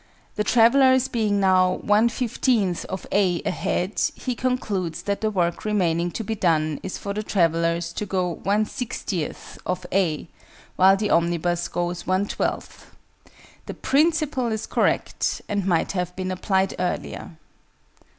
The travellers being now 1 15th of "a" ahead, he concludes that the work remaining to be done is for the travellers to go 1 60th of "a," while the omnibus goes 1 12th. The principle is correct, and might have been applied earlier.